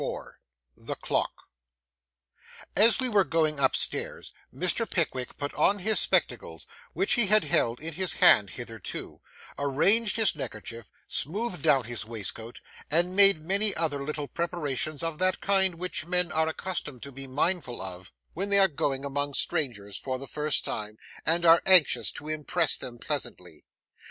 IV THE CLOCK AS we were going up stairs, Mr. Pickwick put on his spectacles, which he had held in his hand hitherto; arranged his neckerchief, smoothed down his waistcoat, and made many other little preparations of that kind which men are accustomed to be mindful of, when they are going among strangers for the first time, and are anxious to impress them pleasantly.